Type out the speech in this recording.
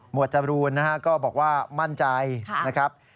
หมวดจรูนนะครับก็บอกว่ามั่นใจนะครับ